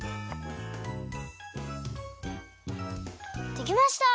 できました！